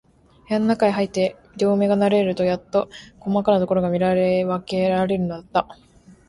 部屋のなかへ入って、両眼が慣れるとやっと、こまかなところが見わけられるのだった。